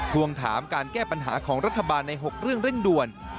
ทวงถามการแก้ปัญหาของรัฐบาลใน๖เรื่องเร่งด่วน